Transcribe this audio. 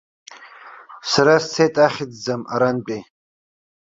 Сара сцеит ахьӡӡам арантәи.